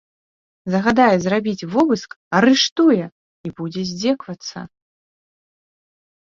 Загадае зрабіць вобыск, арыштуе і будзе здзекавацца.